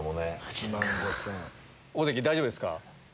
大関大丈夫ですか？